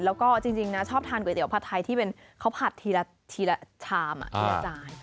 แล้วก็จริงนะชอบทานก๋วยเตี๋ผัดไทยที่เป็นข้าวผัดทีละทีละชามทีละจาน